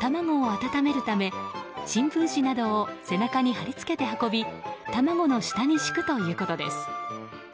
卵を温めるため新聞紙などを背中に張り付けて運び卵の下に敷くということです。